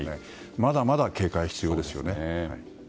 まだまだ警戒が必要ですよね。